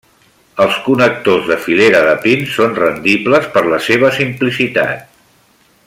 Els connectors de filera de pins són rendibles per la seva simplicitat.